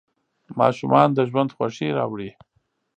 ماشومان د ژوند خوښي راوړي.